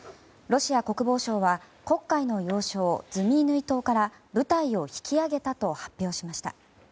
ロシア国防省は黒海の要衝ズミイヌイ島から部隊を引き揚げたと発表しました。